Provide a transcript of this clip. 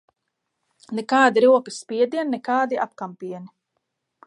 Nekādi rokas spiedieni, nekādi apkampieni.